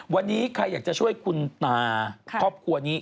วันนี้ใครอยากจะช่วยคุณตาครอบครัวนี้